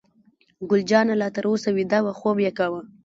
ګل جانه لا تر اوسه ویده وه، خوب یې کاوه.